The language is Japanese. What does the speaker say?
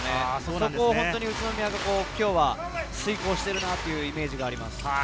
そこを宇都宮が今日は遂行しているというイメージがあります。